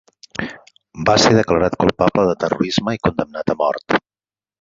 Va ser declarat culpable de terrorisme i condemnat a mort.